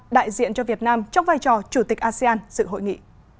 đại diện cho việt nam trong vai trò chủ tịch asean dự hội nghị